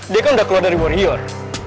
dia kan tidak keluar dari warrior